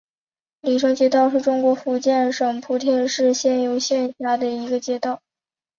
鲤城街道是中国福建省莆田市仙游县下辖的一个街道。